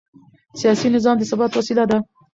سیاسي نظام د ثبات وسیله ده